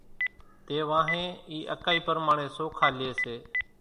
تيوانۿين اِي اڪائي پرماڻي سوکا لي سي۔